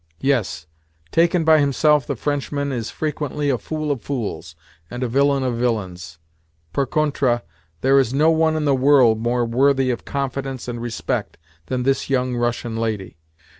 Yes, taken by himself, the Frenchman is frequently a fool of fools and a villain of villains. Per contra, there is no one in the world more worthy of confidence and respect than this young Russian lady.